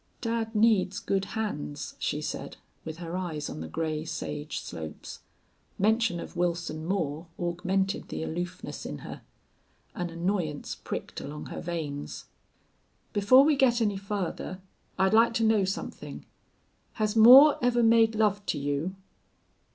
"Dad needs good hands," she said, with her eyes on the gray sage slopes. Mention of Wilson Moore augmented the aloofness in her. An annoyance pricked along her veins. "Before we get any farther I'd like to know something. Has Moore ever made love to you?"